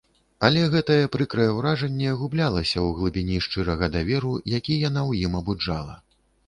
Але гэтае прыкрае ўражанне гублялася ў глыбіні шчырага даверу, які яна ў ім абуджала.